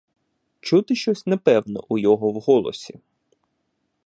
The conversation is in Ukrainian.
Чути щось непевне у його в голосі.